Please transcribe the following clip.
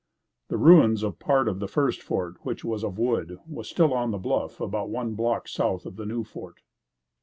The ruins of part of the first fort which was of wood, were still on the bluff about one block south of the new fort.